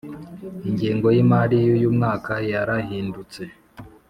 Ingengo yimari yuyu mwaka yarahindutse